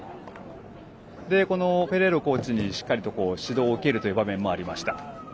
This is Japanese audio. このペレロコーチにしっかりと指導を受けるシーンもありました。